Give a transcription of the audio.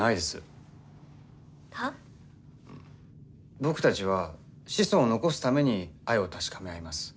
僕たちは子孫を残すために愛を確かめ合います。